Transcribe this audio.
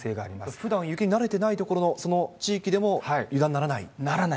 ふだん雪に慣れてない所の地域でも、油断ならない。